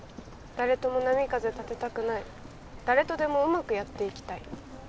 誰とも波風立てたくない誰とでもうまくやっていきたい